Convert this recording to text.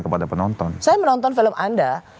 kepada penonton saya menonton film anda